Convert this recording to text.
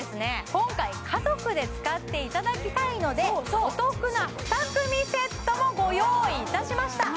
今回家族で使っていただきたいのでお得な２組セットもご用意いたしました